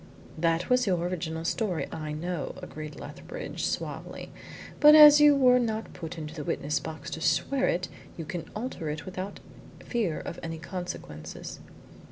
"That was your original story, I know," agreed Lethbridge suavely. "But as you were not put into the witness box to swear it you can alter it without fear of any consequences."